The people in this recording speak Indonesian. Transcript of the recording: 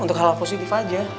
untuk hal hal positif aja